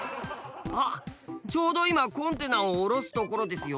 あっちょうど今コンテナを降ろすところですよ。